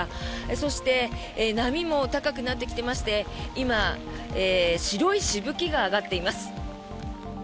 そして、波も高くなってきていまして今、白いしぶきが上がっています。